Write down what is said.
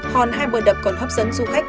hòn hai bờ đập còn hấp dẫn du khách